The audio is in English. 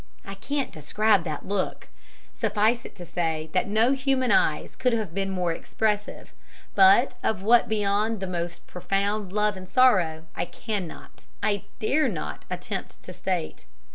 I can't describe that look; suffice it to say that no human eyes could have been more expressive, but of what beyond the most profound love and sorrow I cannot, I dare not, attempt to state.